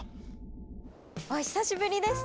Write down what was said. お久しぶりです！